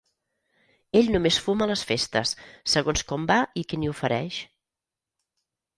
Ell només fuma a les festes, segons com va i qui n'hi ofereix.